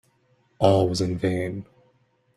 All was in vain.